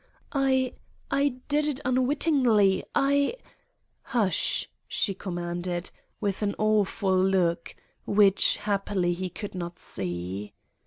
"I—I did it unwittingly. I——" "Hush!" she commanded, with an awful look, which, happily, he could not see.